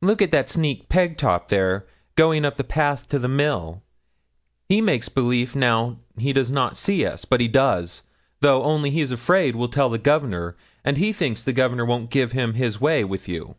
'Look at that sneak, Pegtop, there, going up the path to the mill. He makes belief now he does not see us; but he does, though, only he's afraid we'll tell the Governor, and he thinks Governor won't give him his way with you.